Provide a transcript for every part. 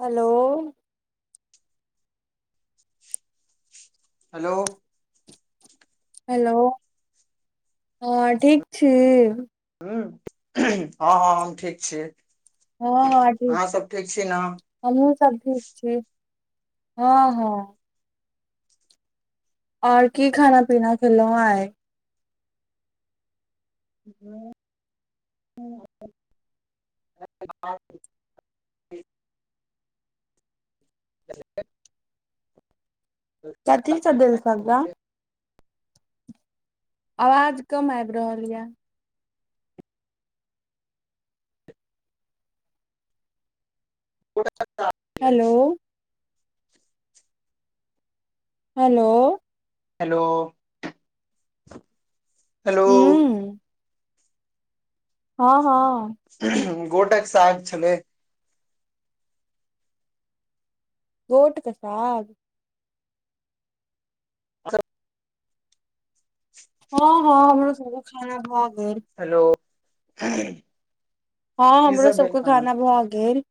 Hello hello hello हँ ठीक छी हँ हँ हम ठीक छी हँ अ [unintelligible] अहाँ सब ठीक छी न हमहूँ सब ठीक छी हँ हँ और की खाना पीना खेलहुँ आय [unintelligible] दालि भात [unintelligible] [unintelligible] दलिसग्गा आवाज कम आबि रहल ये हेलो हेलो हेलो हेलो हूंम्म हँ हँ गोटक साग छलै गोट क साग हँ हँ हमरो सबके खाना भऽ गेल हेलो हँ की हमरो सब भेल सबके खाना भऽ गेल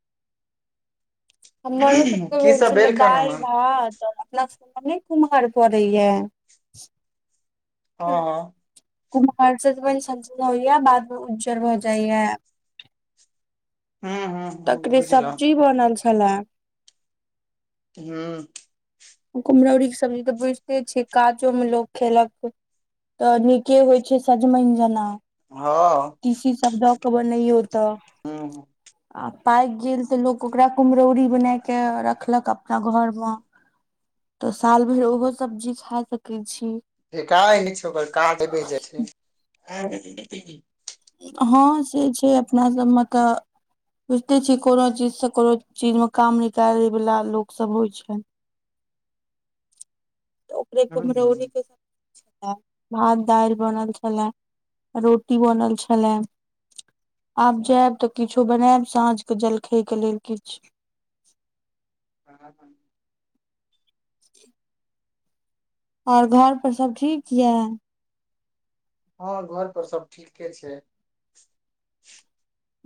हमरो सबके की भेल सब छलै खाना मे दालि भात अपना सबके एम्हर नहि कुम्हार कड़ैये हँ हँ कुम्हर सजिमन सन जे होइये बाद मे उज्जर भऽ जाइये हँ हँ तकरे सब्जी बनल छले हूंम्म कुम्हरौरी के सब्जी तऽ बुझिते छियै काजो मे लोको खेलक तऽ नीके होइ छै सजमनि जेना हँ तीसी सब दऽ के बनैयो तऽ हूँ आ पाइक गेल तऽ लोक ओकरा कुम्हरौरी बने के रखलक अप अपना घरमे तऽ साल भरि ओहो सब्जी खे स कै छी [unintelligible] जेथिन हँ से छै अपनासभमे तऽ बुझिते छियै कोनो चीज से कोनो चीजमे काम निकालै बला लोक सब होइ छै तऽ हूँ हूँ कुम्हरौरी के सब्जी भात दालि बनल छलै रोटी बनल छलै। आब जायब तऽ किछो बनायब साँझ के जलखै के लेल किछु। ह और घर पर सब ठीक य? हँ घर पर सब ठीके छैय।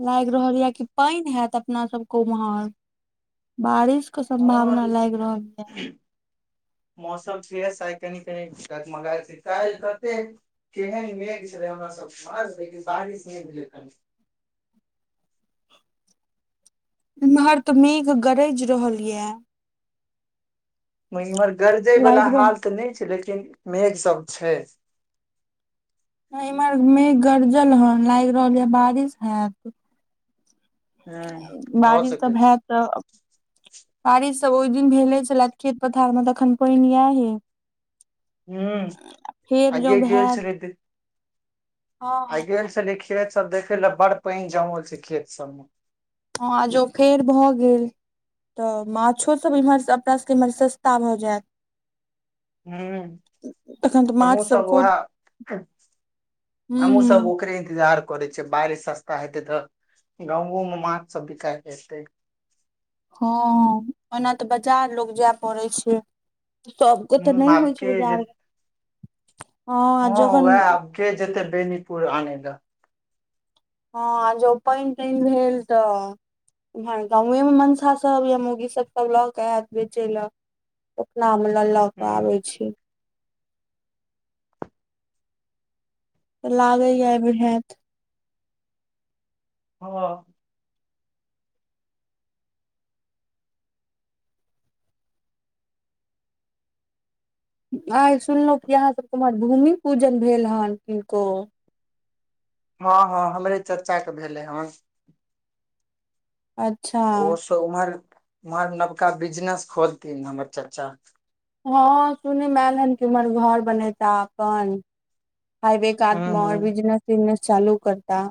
लागि रहल यऽ कि पानि होयत अपना सबके उम्हर बारिश के हँ सम्भावना लाईग रहल या। मौसम फ्रीयस आइ कनी कनी गत मगा छैय कालि कते केहन मेघ छलै हमरा सब [unintelligible] लेकिन बारिश नहि भेलै कनी एम्हर तऽ मेघ गरैज रहल ये। इम्हर गरजे वाला लागि हाल रहल तऽ नहि छैय लेकिन मेघ सब छैय। इम्हर मेघ गरजल हन लागि रहल ह बारिश हैत। ह भऽ बारिश तऽ सकै छै भय क बारिश सब ओहि दिन भेले छलए खेत पथार मे तखन पानियाहे। हू फेर जँ आये गेल हैत छलै त हँ आय गेल छलै खेत सब देखे लऽ बड़ पानि जमल छैय खेत सब मे। हँ आ जोखेर भऽ गेल। तऽ माछोसभ इम्हर अपना सभ इम्हर सस्ता भऽ जायत। हू तखन तऽ माछ हमहु सब खुद उहा हूँ हमू सब हूँ ओकरे इंतजार करे छीयै बारिश सस्ता हेते तऽ गांवो में माछ सब बिकाय एतै। हँ ओना तऽ बाजार लोग जाय पड़ै छैय। सभके तऽ ह नहि आब होइ छैय के जे बाजार गेल। हँ वैह आब के जेतै बेनीपुर आने ला। हँ जो पानि तानि भेल तऽ एम्हर गाँवेमे मनसासभ या मोगिसभ सभ लऽ कऽ आयत बेचय लए। [unintelligible] लऽ के हूँ आबै छैय। लागैए अय बेर हैत। हँ आइ सुनलहु कि यहाँ सबके उम्हर भूमि पूजन भेल हन किनको? हँ हँ हमरे चचा के भेलय हन। अच्छा तऽ उम्हर उम्हर नबका बिजनेस खोलथीन हमर चचा। हँ सुनय मे आयल हन के उम्हर घर बनेता अपन। हाइवे कात हूँ मे हूँ बिजनेस तिजनेस चालू करता।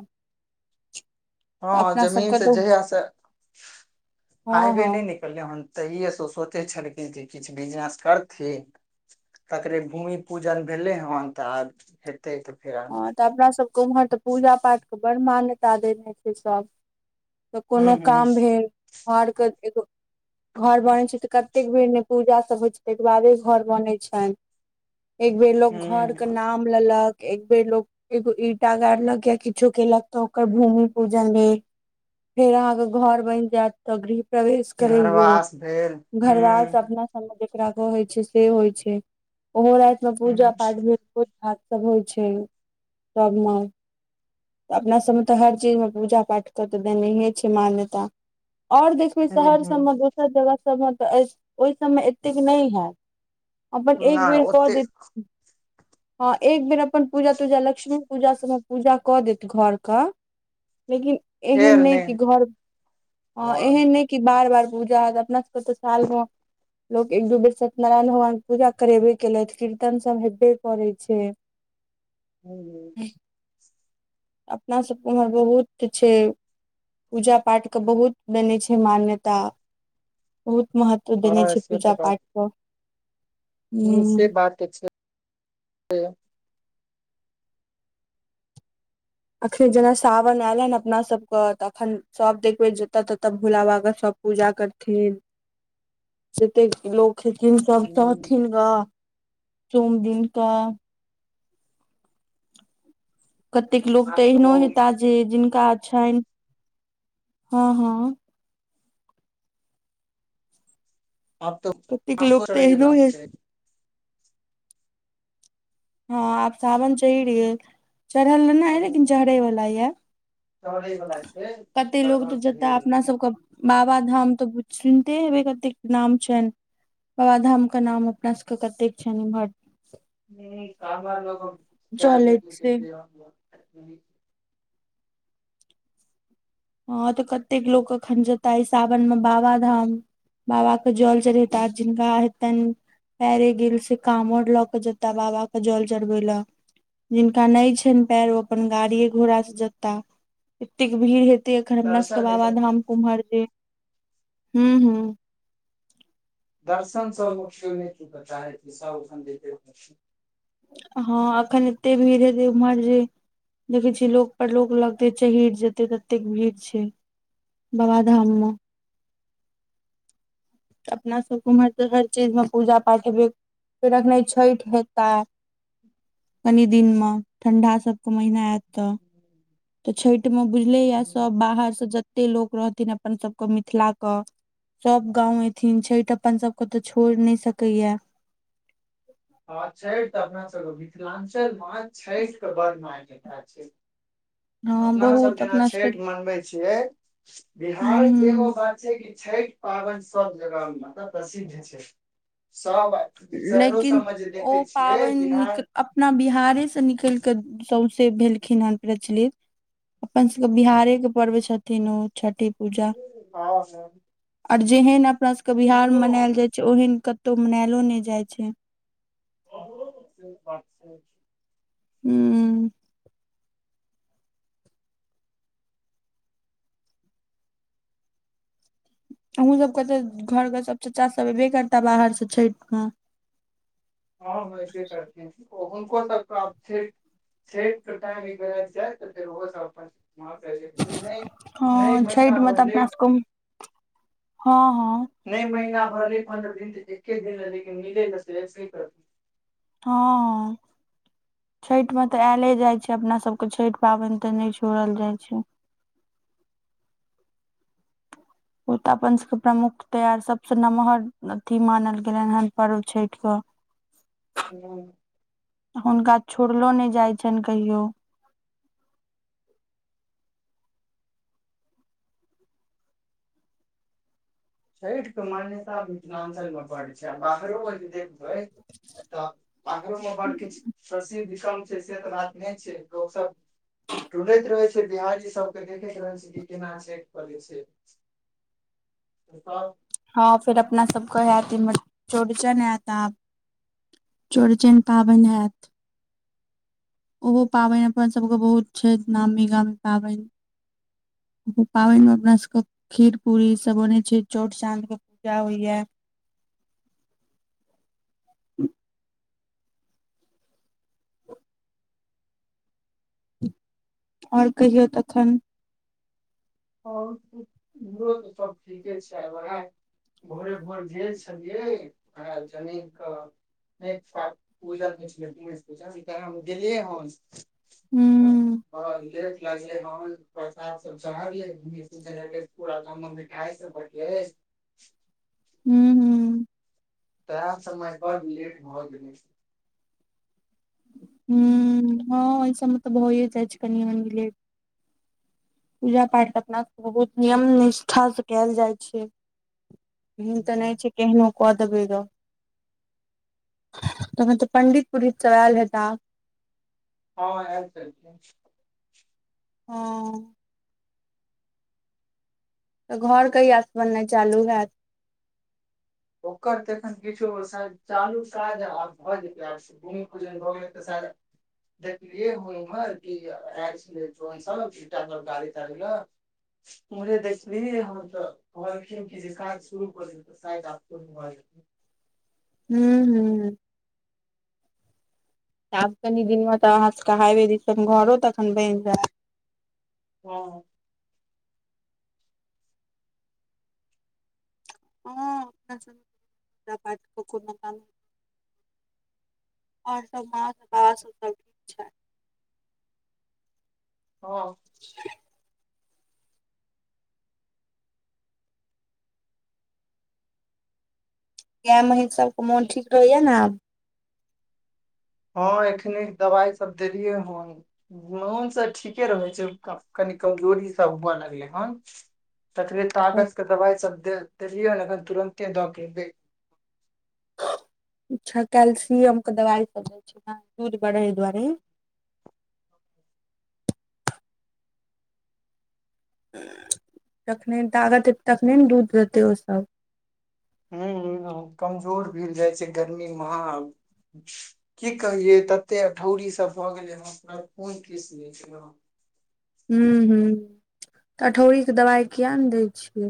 तऽ हँ अपना जमीन सबके से तऽ जहीया से हँ हाइबे हँ ने निक कहलियै हन तहिएसँ सोचै छलखिन जे किछु बिजनेस करथिन। तकरे भूमि पूजन भेलै हन तऽ आ हेतय तऽ फेर आ हँ तऽ अपना सभके उम्हर तऽ पूजा पाठके बड़ मान्यता देने छैय सभ। तऽ हूँ कोनो हूँ काम भेल घरके एगो घर बनैत छैय तऽ कतेक बेर ने पूजा सभ होइत छैय ताहिके बादे घर बनैत छनि। एक बेर लोग घर के हूँ नाम लेलक। एक बेर लोको एगो ईंटा गाड़लक या किछो केलक तऽ ओकर भूमि पूजन भेल। फेर अहाँके घर बनि जायत तऽ गृह प्रवेश करैयो घरवास भेल घरवास हूँ अपना जेकरा कहय छैय से होय छैय ओहो राति में पूजा हूँ पाठ भेल भोज भात सब होइ छैय तबमे अपना सबमे तऽ हर चीज मे पूजा पाठ क तऽ देनहिये छैय मान्यता आओर देख हूँ शहर हूँ सबमे दोसर जगह सबमे तऽ ओहि सभमे एतेक नहि हैत अपन एक नहि बेर क ओते देत हँ एक बेर अ अपन पूजा पूजा, लक्ष्मी पूजा सभमे पूजा कऽ देत घरके, लेकिन एहन नहि कि घर ह आओर एहन नहि कि बार बार पूजा होइत छै, अपना सभकेँ तऽ सालभर। लोक सभ एक दू बेर सत्यनारायण भगवानक पूजा करबे करैत छै, कीर्तन सभ होइते करै छै। हेलो अपनासभकेँ ओम्हर बहुत किछु छै। पूजा पाठके बहुत मान्यता छै, बहुत महत्व छै। तऽ देने आओर छै से पूजा पाठ पर। हँ से बात तँ छै। अखन जेना सावन आयल हन, अपना सभकेँ तऽ अखन सभ ठाम देखबे करैत छी भोला बाबाक। पूजा करैत छथि जतेक लोक। कहैत ह छथि सभ सोमदिन करऽ। कतेक लोक आब तऽ एहन सेहो ओ हेताह, जिनका छनि। हँ, हँ। आब तऽ कतेक बड़ लोक तऽ चढ़ि एहनो हे गेल। हँ, आब सावन चढ़ि गेलै, चढ़ल हन नहि, मुदा चढ़ै वाला छै। चढ़ै बला छै कते लोक लगभग तऽ जेताह ढेर। अपना सभकेँ। बाबा धाम तऽ सुनते हेबै, कतेक नाम छनि। बाबा धामके नाम अपना सभकेँ कतेक छै इम्हर? नहि, काँवर लऽ कऽ चलैत कतेक से बेर। हँ तऽ कतेक लोक एखन जेता ई सावनमे बाबाधाम। बाबाके जल चढ़ेताह, जिनका होइत छनि। पैरे गेल छै, काँवर लऽ कऽ जेता बाबा के जल चढ़ेबऽ लेल। जिनका नहि छनि पैर, ओ अपन गाड़ी घोड़ासँ जेताह। एतेक भीड़ हेत। एखन हमरा सभकेँ दर्शन बाबा लेकिन धाम घूमऽ दै हू हँ। दर्शन सभ मुख होइत छै। हँ, अखन एतेक भीड़ अछि उम्हर जे देखै छै, लोक पर लोक लगले छै। जतेक जाइत छथिन, ततेक भीड़ छै। बाबाधाममे अपना सभकेँ उम्हर तऽ हर चीजमे पूजा पाठ होइते छै। फेर अखने छठि हेतै। कनि दिनमे ठंढक वाला महीना आयत तऽ। हूँ तऽ छठिमे बुझलेए सभ बाहरसँ जतेक लोक रहथिन, अपन सभकेँ मिथिलाकेँ। सभ गाम एतैथिन छठिमे, अपना सभकेँ तऽ छोड़ि नहि सकैए। हँ, छठि तऽ अपना सभकेँ मिथिलांचल छठिक बड़ मान्यता छै। हँ अपना सभ बहुत जेना अपना सबके छठ मनबै छियै, हूं बिहारके हूं एगो छै कि छठि पाबनि सभ जगहमे प्रसिद्ध छै, सभ। शहरो लेकिन सभमे जे ओ देखै छियै, पाबनि निक बिहारमे। अपना बिहारसँ निकलि कऽ सौंसे भेलखिन, हेन प्रचलित। अपन सभकेँ हँ बिहारकेँ पर्व छथिन ओ छठि। आ छै आओर जेहन अपना सभकेँ बिहारमे मनाओल जाइ छै, ओहन कतहु मनाओलो नहि जाइ छै। ओ बात हू अहाँ सभकेँ तऽ घरके सभ चाचा सभ बाहरसँ छठिमे एबे करताह। हँ, से करताह, तखन तऽ प्रार्थना सेहो। सेताम जाइ तऽ रोजे? नहि नहि, हँ छठि महिना मे तऽ भरले। अपना सबके हँ हँ नहि, महिना भर पन्द्रह दिन तऽ एके दिन रहै, लेकिन मिलि लऽ कर। हँ छैठि में तऽ आयले जाइ छैय अपना सबके छैठि पाबनि तऽ नहि छोड़ल जाइ छैय। ओ तऽ अपन सभके प्रमुख त्योहार सबस नमहर अथी मानल गेलनि हेन पर्व छठि के। [inaudible] ह हुनका छोड़लो नहि जाइ छनि कहियो। सइठके मान्यता मिथिललाञ्चलमे पड़ छैय आ बाहरोमें जे [unintelligible] मे बड़ किछु [unintelligible] [unintelligible] छैय लोक सब टूलैत रहै छैय बिहारी सबके देखैत रहै छैय कि केना छैठ क लै छैय। कसऽ हँ फिर अपना सब कहया चौरचन आयत आब। चौरचन पाबनि आयैत ओहो पाबनि अपन सभके बहुत छैय नामी गामी पाबनि। पाबनि में अपना सभ के खीर पूरी ई सब बनय छैय चौठ चाँद के पूजा होइया। आओर कहियौ तखन। [unintelligible] सब ठीके छैय [unintelligible] भोरे भोर भेल छलियै ओकरा जन कनिक [unintelligible] गेललियै हन। हूँ हां लेट लगले हन प्रसाद सब चढलै। पुरा गांव में मिठाइ सब बटलै हूं हूं तैह समय पर लेट हो गेल। हूं हँ ओय सभ मे तऽ भए जाइ छैय कनिय मनी लेट। पूजा पाठ अपना बहुत नियम निष्ठास से कयल जाइ छैय। एहन तऽ नहि हँ छैय केहनो कऽ देबै गऽ। तखन तऽ पंडित पुरहित सब आयल हेता? हँ आयल छलखिन। हँ तऽ घर कहिया से बननाय चालू हैयत? ओकर तऽ एखन किछु शायद चालू काज आब भऽ जेतै आ [unintelligible] भूमि पूजन भऽ गेलै तऽ सायद देखलियै सब उम्हर [unintelligible] गाड़ी ताड़ी ल। उम्हरे देखलियै हन तऽ कहलखिन जे काज शुरू कर द त शायद [unintelligible] हूं हूं हूं आब कनि दिन मे तऽ अहाँ सबके हाइवे दिसन घरो तखन बनि जायत। हँ [unintelligible] ओर सब [unintelligible] छैय। हँ [inaudible] गाय महीस सबके मोन ठीक रहैया ने आब? हँ एखने दवाइ सब देलियै हन। मोन त ठीके रहैत छैय कनि कमजोरी सब हुए लगलै हन। तखने तागजके दबाइ सब दे देलिय हन अखन तुरन्ते दऽ के ए अच्छा कैल्सियम के दवाइ [unintelligible] छैय दूध बढ़े दुआरे। जखने तागत एतै तखने ने दूध देतै ओ सब। हूं कमजोर भेल जाइ छैय गर्मी में। की कहलियै तते अठौरी सब भऽ गेलैन हन पुरा खून चुसि लेतै यौ हूंम्म हूंम्म तऽ अठौरीके दवाइ किये ने दै छियै